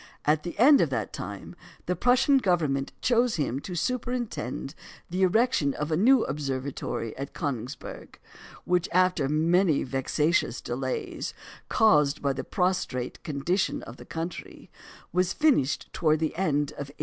At the end of that time the Prussian Government chose him to superintend the erection of a new observatory at Königsberg, which after many vexatious delays, caused by the prostrate condition of the country, was finished towards the end of 1813.